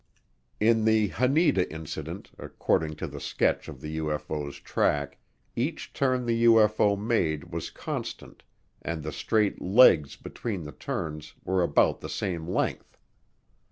In the Haneda Incident, according to the sketch of the UFO's track, each turn the UFO made was constant and the straight "legs" between the turns were about the same length.